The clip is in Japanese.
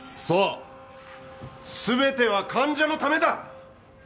そう全ては患者のためだ！